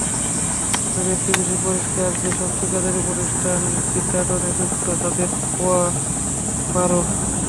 তবে একটি বিষয় পরিষ্কার, যেসব ঠিকাদারি প্রতিষ্ঠান বিতাড়নে যুক্ত, তাদের পোয়াবারো।